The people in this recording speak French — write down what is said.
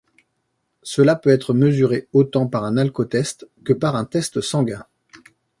Cela peut être mesuré autant par un alcootest que par un test sanguin.